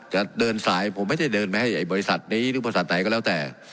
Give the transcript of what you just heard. จะเดินสายผมไม่ได้เดินไปให้บริษัทนี้หรือบริษัทไหนก็แล้วแต่